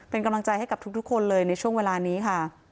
เป็นกำลังใจให้กับทุกคนเลยในช่วงเวลานี้ค่ะ